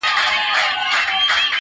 • که معنا د عقل دا جهان سوزي وي,